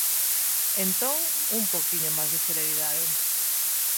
Entón, un pouquiño máis de celeridade.